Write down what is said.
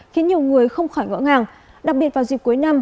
khiến nhiều người không khỏi ngỡ ngàng đặc biệt vào dịp cuối năm